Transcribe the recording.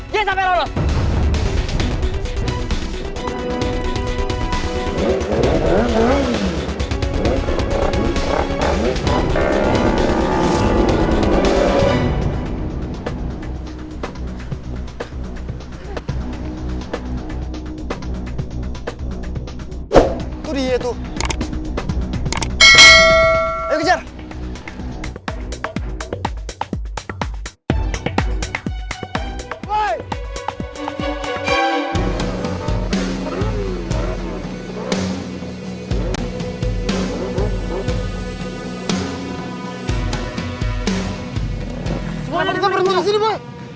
semuanya diberi pencar disini boy